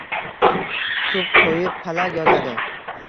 Tup qo‘yib, palak yozadi.